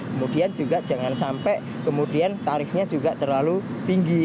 kemudian juga jangan sampai tarifnya juga terlalu tinggi